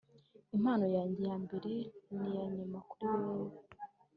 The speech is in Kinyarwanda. impano yanjye yambere niyanyuma, kuri wewe